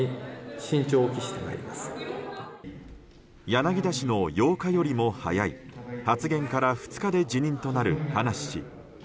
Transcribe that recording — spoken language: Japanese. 柳田氏の８日よりも早い発言から２日で辞任となる葉梨氏。